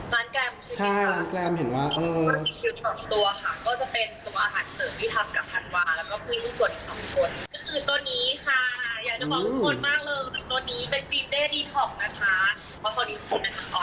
ร้านแกรมชิคกี้พายค่ะมี๒ตัวค่ะก็จะเป็นตัวอาหารเสริมที่ทำกับธันวา